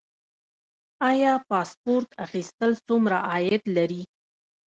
آیا پاسپورت اخیستل څومره عاید لري؟